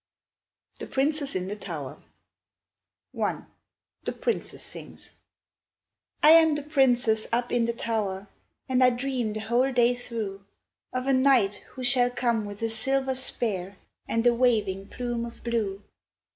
The Princess in the Tower I The Princess sings: I am the princess up in the tower And I dream the whole day thro' Of a knight who shall come with a silver spear And a waving plume of blue.